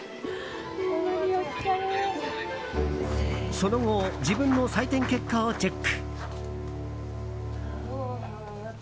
その後自分の採点結果をチェック。